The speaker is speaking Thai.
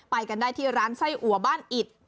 ไปกันได้ที่ร้านไส้อัวบ้านอิด